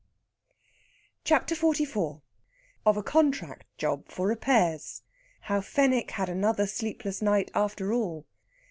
CHAPTER XLIV OF A CONTRACT JOB FOR REPAIRS. HOW FENWICK HAD ANOTHER SLEEPLESS NIGHT AFTER ALL.